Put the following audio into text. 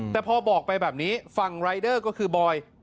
แต่พอบอกไปแบบนี้ฝั่งรายเดอร์ก็คือบอย